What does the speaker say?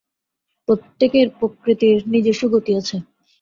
প্রত্যেকের প্রকৃতির নিজস্ব গতি আছে।